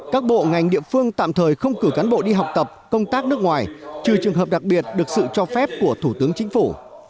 các bộ ngành địa phương tạm thời không cử cán bộ đi học tập công tác nước ngoài trừ trường hợp đặc biệt được sự cho phép của thủ tướng chính phủ